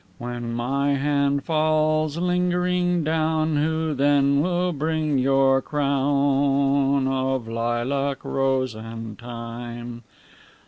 When my hand falls lingering down Who then will bring your crown Of lilac, rose and thyme?